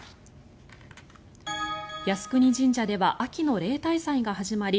靖国神社では秋の例大祭が始まり